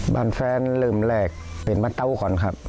บ้านแฟนลืมแรกเป็นบ้านเต้าก่อนครับ